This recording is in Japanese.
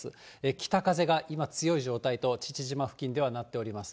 北風が今、強い状態と、父島付近ではなっております。